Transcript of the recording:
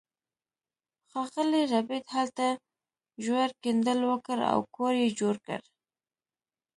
ښاغلي ربیټ هلته ژور کیندل وکړل او کور یې جوړ کړ